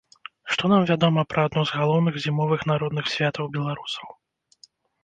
Што нам вядома пра адно з галоўных зімовых народных святаў беларусаў?